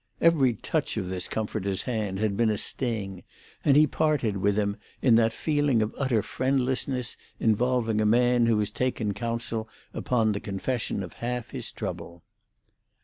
Every touch of this comforter's hand had been a sting; and he parted with him in that feeling of utter friendlessness involving a man who has taken counsel upon the confession of half his trouble.